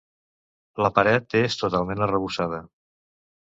La paret és totalment arrebossada.